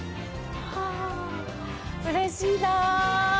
うれしいな。